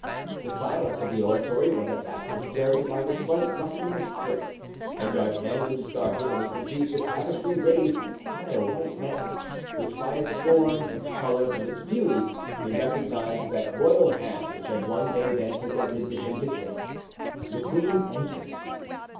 The silence of the oratory was at last disturbed by the slight rustling of silk, and D'Artagnan started when he perceived the tapestry raised by a white hand, which, by its form, its color and its beauty he recognized as that royal hand which had one day been presented to him to kiss. The queen entered.